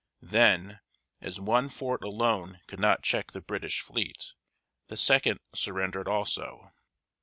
Then, as one fort alone could not check the British fleet, the second surrendered also.